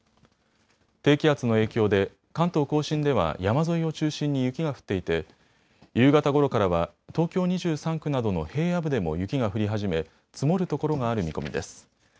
低気圧の影響で関東甲信では山沿いを中心に雪が降っていて夕方ごろからは東京２３区などの平野部でも雪が降り始め積もるところがある見込みです。